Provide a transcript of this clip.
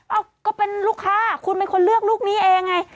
เอ้าก็เป็นลูกค้าคุณเป็นคนเลือกลูกนี้เองไง